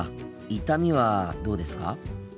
痛みはどうですか？